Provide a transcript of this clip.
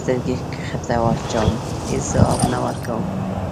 زه سترګې کښته واچوم هیڅ ځواب نه ورکوم.